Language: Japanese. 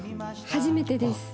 初めてです。